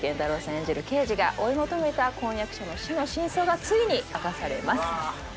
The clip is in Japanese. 演じる刑事が追い求めた婚約者の死の真相がついに明かされます。